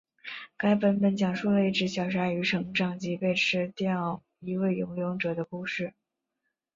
该版本讲述了一只小鲨鱼成长及吃掉一位游泳者的故事。